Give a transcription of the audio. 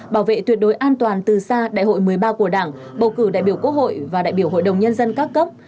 bảo vệ tuyệt đối an toàn từ xa đại hội một mươi ba của đảng bầu cử đại biểu quốc hội và đại biểu hội đồng nhân dân các cấp